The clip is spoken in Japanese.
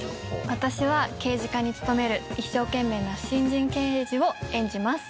私は刑事課に勤める一生懸命な新人刑事を演じます。